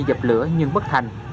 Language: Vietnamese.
dập lửa nhưng bất thành